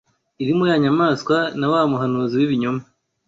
irimo ya nyamaswa na wa muhanuzi w’ibinyoma